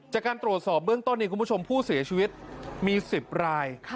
จากการตรวจสอบเบื้องต้นคุณผู้ชมผู้เสียชีวิตมี๑๐ราย